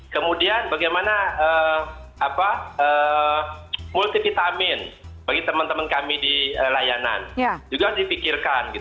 kemudian bagaimana multivitamin bagi teman teman kami di layanan juga harus dipikirkan